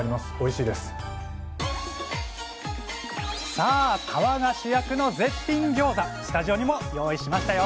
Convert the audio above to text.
さあ皮が主役の絶品ギョーザスタジオにも用意しましたよ！